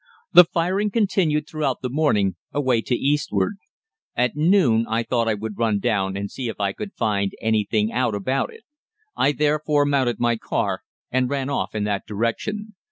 The firing continued throughout the morning away to eastward. At noon I thought I would run down and see if I could find anything out about it. I therefore mounted my car and ran off in that direction.